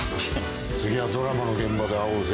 次はドラマの現場で会おうぜ。